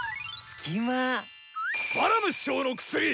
バラム師匠の薬！